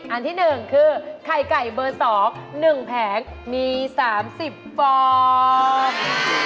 อันที่๑คือไข่ไก่เบอร์๒๑แผงมี๓๐ฟอง